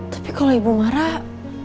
tapi kalau ibu marah